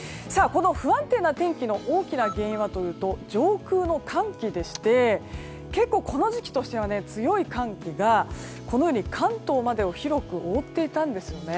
この不安定な天気の大きな原因はというと上空の寒気でして結構この時期としては強い寒気が関東までを広く覆っていたんです。